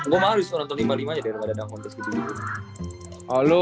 gue mah harus nonton lima lima aja kalau gak ada dunk kontes gitu